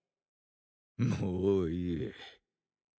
もういい。